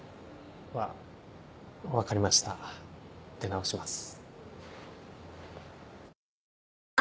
わ分かりました出直します。